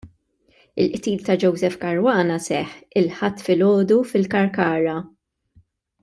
Il-qtil ta' Joseph Caruana seħħ il-Ħadd filgħodu fil-Kalkara.